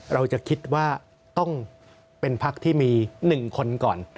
เราจะคิดว่าต้องเป็นพักที่มี๑คนก่อน